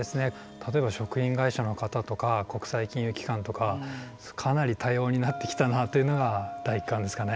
例えば食品会社の方とか国際金融機関とかかなり多様になってきたなっていうのが第一感ですかね。